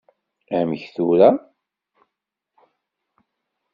Amek tura?